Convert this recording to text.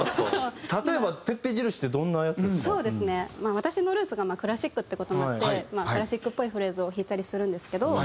私のルーツがクラシックって事もあってクラシックっぽいフレーズを弾いたりするんですけど。